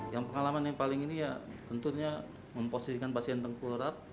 yang pengalaman yang paling ini ya tentunya memposisikan pasien tengkulurat